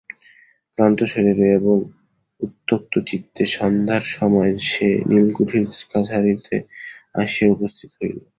ক্লান্তশরীরে এবং উত্ত্যক্তচিত্তে সন্ধ্যার সময়ে সে নীলকুঠির কাছারিতে আসিয়া উপস্থিত হইল।